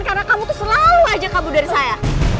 karena kamu tuh selalu ajak kabur dari saya